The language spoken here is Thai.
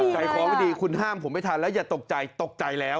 ใจคอไม่ดีคุณห้ามผมไม่ทันแล้วอย่าตกใจตกใจแล้ว